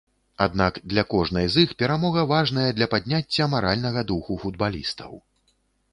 Аднак для кожнай з іх перамога важная для падняцця маральнага духу футбалістаў.